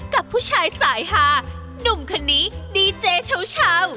กับผู้ชายสายฮานุ่มคนนี้ดีเจเช้า